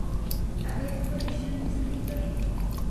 هغې خپلې شونډې سرې کړې وې.